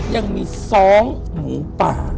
ยังมีซ้องหมูป่า